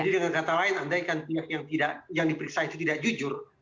jadi dengan kata lain andaikan yang diperiksa itu tidak jujur